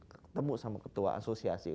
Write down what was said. ketemu sama ketua asosiasi